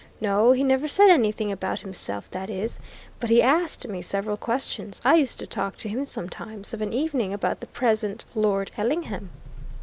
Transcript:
No he never said anything about himself, that is. But he asked me several questions; I used to talk to him sometimes, of an evening, about the present Lord Ellingham."